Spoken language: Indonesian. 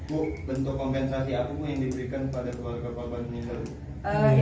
bu bentuk kompensasi apa yang diberikan kepada keluarga korban ini